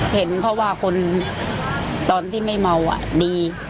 เห็นเพราะว่าคนตอนที่ไม่เมาดี